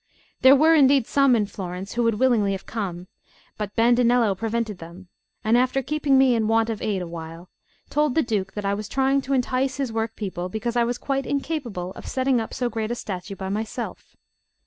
There were indeed some in Florence who would willingly have come, but Bandinello prevented them, and after keeping me in want of aid awhile, told the Duke that I was trying to entice his work people because I was quite incapable of setting up so great a statue by myself.